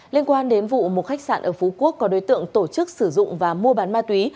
liên quan đến vụ một khách sạn ở phú quốc có đối tượng tổ chức sử dụng và mua bán ma túy